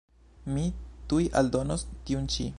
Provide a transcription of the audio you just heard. Mi tuj aldonos tiun ĉi.